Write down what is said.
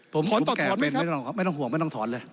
ผมแก่เป็นไม่ต้องห่วงไม่ต้องถอนเลย